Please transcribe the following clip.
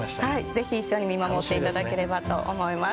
ぜひ一緒に見守っていただければと思います。